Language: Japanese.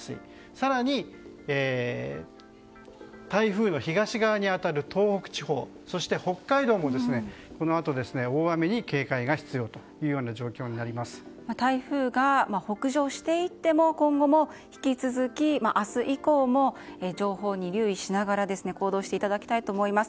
更に台風の東側に当たる東北地方そして北海道もこのあと大雨に警戒が必要という台風が北上していっても今後も引き続き明日以降も情報に留意しながら行動していただきたいと思います。